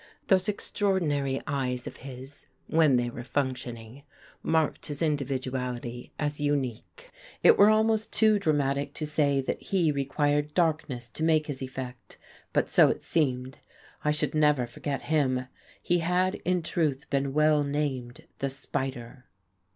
Those extraordinary eyes of his, when they were functioning, marked his individuality as unique. It were almost too dramatic to say that he required darkness to make his effect, but so it seemed. I should never forget him. He had in truth been well named the Spider.